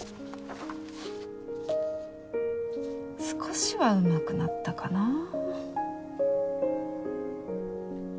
少しはうまくなったかな？